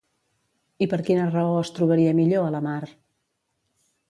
I per quina raó es trobaria millor a la mar?